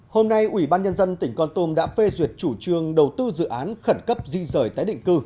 hôm nay ủy ban nhân dân tỉnh con tum đã phê duyệt chủ trương đầu tư dự án khẩn cấp di rời tái định cư